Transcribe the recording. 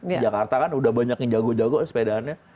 di jakarta kan udah banyak yang jago jago sepedaannya